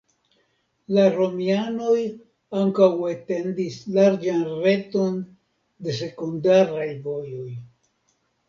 La romianoj ankaŭ etendis larĝan reton de sekundaraj vojoj.